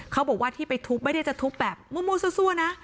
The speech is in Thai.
เขาบอกว่าที่ไปทุบไม่ได้จะทุบแบบมั่วซั่วนะ